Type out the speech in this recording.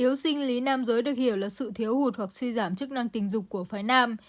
nếu sinh lý nam giới được hiểu là sự thiếu hụt hoặc suy giảm chức năng tình dục của phái nam